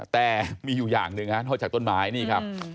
แต่มีอยู่อย่างหนึ่งนอกจากต้นไม้นี่ครับ